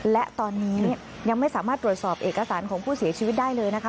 และตอนนี้ยังไม่สามารถตรวจสอบเอกสารของผู้เสียชีวิตได้เลยนะคะ